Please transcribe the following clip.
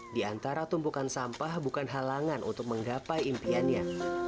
di antara tumpukan sampah bukan halangan untuk menggapai impiannya